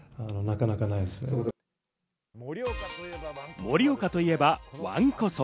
盛岡といえばわんこそば。